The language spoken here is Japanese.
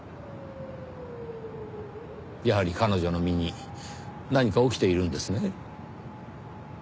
やはり彼女の身に何か起きているんですね？